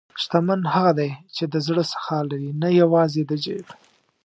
شتمن هغه دی چې د زړه سخا لري، نه یوازې د جیب.